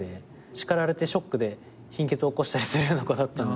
叱られてショックで貧血起こしたりするような子だったんで。